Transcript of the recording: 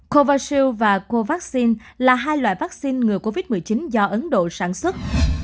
covishield và covaxin là hai loại vaccine ngừa covid một mươi chín do ấn độ sản xuất